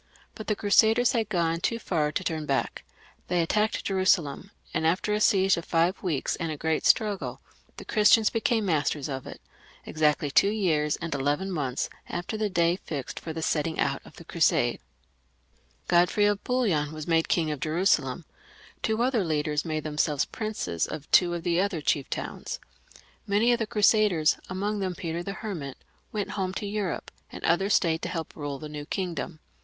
But the Crusaders had gone too far to turn back ; they attacked Jerusalem, and after a siege of five weeks and a great struggle, the Christians became masters of it, exactly two years and eleven months after the day fixed for the setting out of the Crusade. XIII J PHILIP L ,71 1 .—_____,. Godfrey of Bouillon was made King of Jerusalem ; two other leaders made themselves princes of two of the other chief towns ; many of the Crusaders, among them Peter the Hermit, went home to Europe; and others stayed to help to rule the new kingdom.